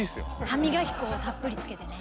歯磨き粉をたっぷり付けてね。